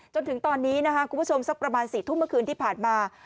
จนถึงตอนนี้นะคะคุณผู้ชมสักประมาณ๔ทุ่มเมื่อคืนที่ผ่านมา